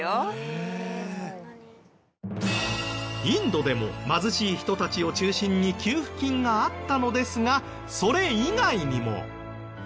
インドでも貧しい人たちを中心に給付金があったのですがそれ以外にも。